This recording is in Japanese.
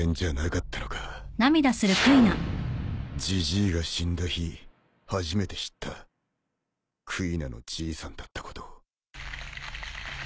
ジジーが死んだ日初めて知ったくいなのじいさんだったこと